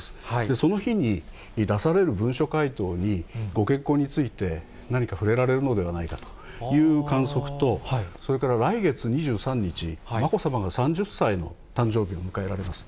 その日に、出される文書回答に、ご結婚について、何か触れられるのではないかという観測と、それから来月２３日、まこさまが３０歳のお誕生日を迎えられます。